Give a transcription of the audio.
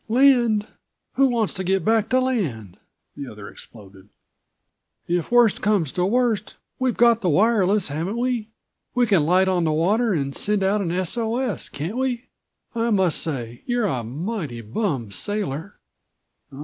"Land! Who wants to get back to land!" the other exploded. "If worst comes to worst we've got the wireless, haven't we? We can light on the water and send out an S. O. S., can't we? I must say you're a mighty bum sailor."